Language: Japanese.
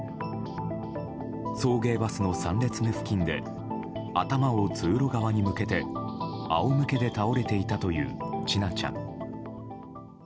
送迎バスの３列目付近で頭を通路側に向けて仰向けで倒れていたという千奈ちゃん。